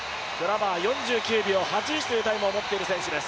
４９秒８１というタイムを持っている選手です。